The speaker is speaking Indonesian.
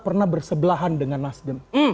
pernah bersebelahan dengan nasdem